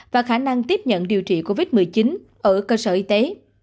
và khả năng tiếp nhận điều trị covid một mươi chín ở cơ sở y tế